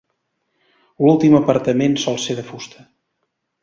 L'últim apartament sol ser de fusta.